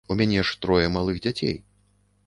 У мяне ж трое малых дзяцей.